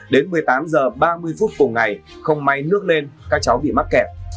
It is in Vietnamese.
đến một mươi tám h ba mươi phút cùng ngày không may nước lên các cháu bị mắc kẹt